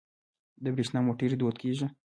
د بریښنا موټرې دود کیږي.